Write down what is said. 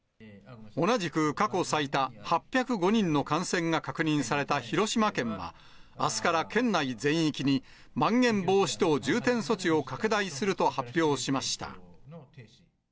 同じく過去最多、８０５人の感染が確認された広島県は、あすから県内全域にまん延防止等重点措置を拡大すると発表しました。